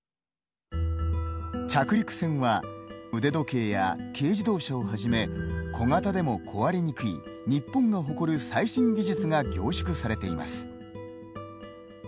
着陸船は腕時計や軽自動車をはじめ小型でも壊れにくい日本が誇る最新技術が凝縮されています。